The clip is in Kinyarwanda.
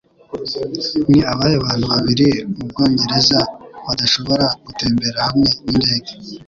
Ni abahe bantu babiri mu Bwongereza badashobora gutembera hamwe n'indege?